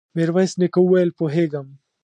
ميرويس نيکه وويل: پوهېږم.